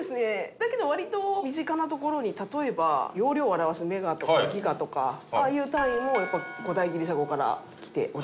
だけど割と身近なところに例えば容量を表すメガとかギガとかああいう単位も古代ギリシャ語からきております。